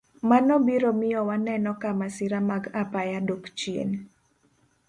Mano biro miyo waneno ka masira mag apaya dok chien.